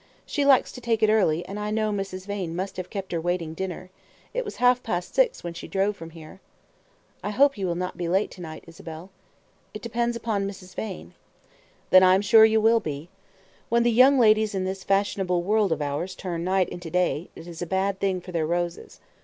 She likes to take it early, and I know Mrs. Vane must have kept her waiting dinner. It was half past six when she drove from here." "I hope you will not be late to night, Isabel." "It depends upon Mrs. Vane." "Then I am sure you will be. When the young ladies in this fashionable world of ours turn night into day, it is a bad thing for their roses.